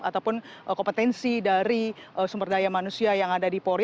ataupun kompetensi dari sumber daya manusia yang ada di polri